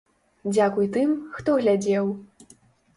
Дзякуй тым, хто глядзеў.